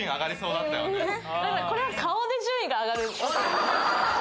だからこれは顔で順位が上がるやつです